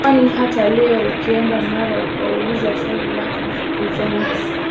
kwani hata leo ukienda Mara ukauliza swali lako kizembe